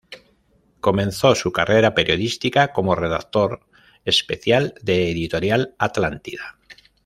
Comenzó su carrera periodística como redactor especial de Editorial Atlántida.